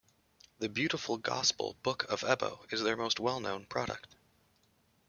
The beautiful Gospel Book of Ebbo is their most well known product.